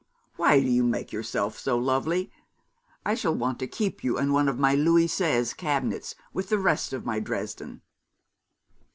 'Why do you make yourself so lovely? I shall want to keep you in one of my Louis Seize cabinets, with the rest of my Dresden!'